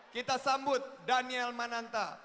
kita sambut daniel mananta